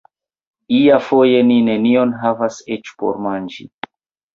Iafoje ni nenion havas eĉ por manĝi.